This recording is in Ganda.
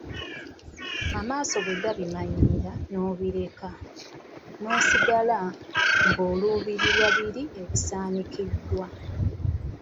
Amaaso bwe gabimanyiira nobireka nosigala ng'oluubirira biri ebisanikidwa.